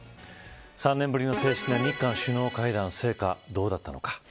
３年ぶりの正式な日韓首脳会談の成果あったのか。